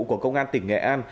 của công an tỉnh nghệ an